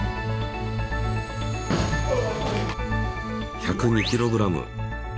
１０２ｋｇ。